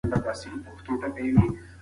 د ژوند په هر رنګ کې ښکلا ده.